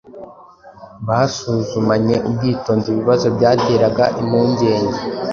basuzumanye ubwitonzi ibibazo byateraga impungenge